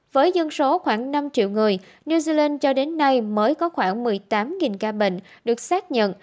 với dân số khoảng năm triệu người new zealand cho đến nay mới có khoảng một mươi tám ca bệnh được xác nhận